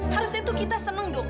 harusnya tuh kita seneng dong